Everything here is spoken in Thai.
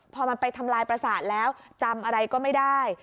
พอมันไปทำลายประสาทแล้วจำอะไรก็ไม่ได้